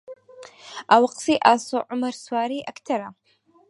ئەوە قسەی ئاسۆ عومەر سوارەی ئەکتەرە